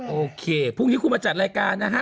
โอเคพรุ่งนี้คุณมาจัดรายการนะฮะ